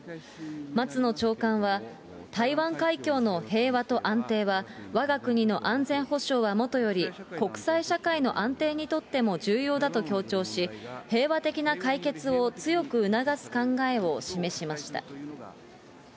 松野長官は、台湾海峡の平和と安定は、わが国の安全保障はもとより、国際社会の安定にとっても重要だと強調し、平和的な解決を強く促す考えを示しました。